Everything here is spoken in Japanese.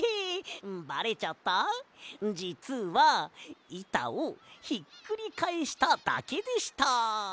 じつはいたをひっくりかえしただけでした。